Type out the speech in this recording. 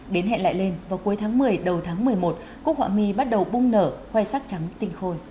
đến hẹn lại lên vào cuối tháng một mươi đầu tháng một mươi một cúc họa mi bắt đầu bung nở khoe sắc trắng tinh khôi